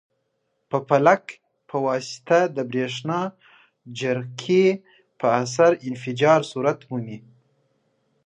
په پلک په واسطه د برېښنا جرقې په اثر انفجار صورت مومي.